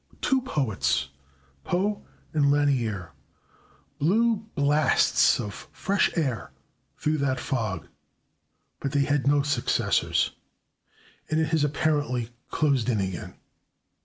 Two poets, Poe and Lanier, blew blasts of fresh air through that fog, but they had no successors, and it has apparently closed in again.